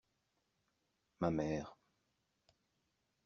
Ma mère.